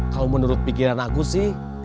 kalau menurut pikiran aku sih